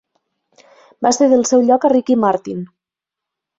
Va cedir el seu lloc a Ricky Martin.